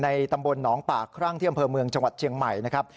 ตำบลหนองปากครั่งที่อำเภอเมืองจังหวัดเชียงใหม่นะครับ